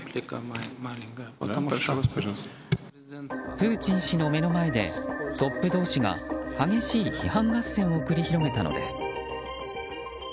プーチン氏の目の前でトップ同士が激しい批判合戦を繰り広げたのです。